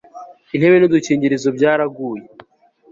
intebe n'udukingirizo byaraguye